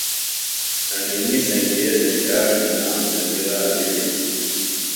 کھݨئنی سنگِیے سےۡ دِھیاڑ تنام سنگیۡ رال بھِلیۡ ہِنیۡ